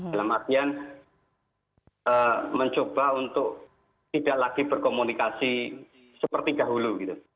dalam artian mencoba untuk tidak lagi berkomunikasi seperti dahulu gitu